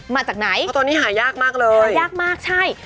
มาจากไหนเพราะตัวนี้หายากมากเลยหายากมากใช่